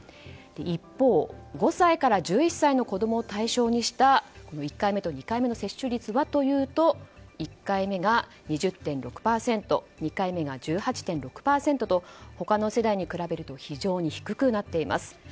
一方、５歳から１１歳の子供を対象にした１回目と２回目の接種率はというと１回目が２０．６％２回目が１８．６％と他の世代に比べると非常に低くなっています。